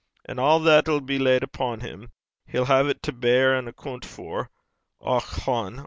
And a' that'll be laid upo' him. He'll hae 't a' to beir an' accoont for. Och hone!